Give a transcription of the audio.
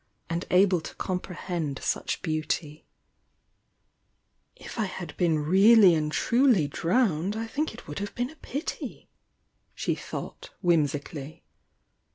and able to comprehend such beauty. 122 THE YOUNG DIANA "If I had been really and truly drowned I think it would have been a pity!" she thought, whimsically.